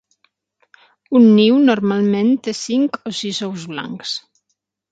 Un niu normalment té cinc o sis ous blancs.